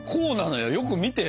よく見てよ。